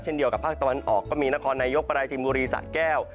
เดียวกับภาคตะวันออกก็มีนครนายกปราจินบุรีสะแก้ว